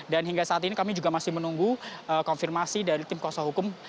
dan hingga saat ini kami juga masih menunggu konfirmasi dari tim kuasa hukum